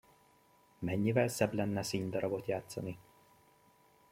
Mennyivel szebb lenne színdarabot játszani!